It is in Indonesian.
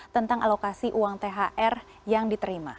tentang alokasi uang thr yang diterima